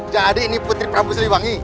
jadi ini putri prabu seniwangi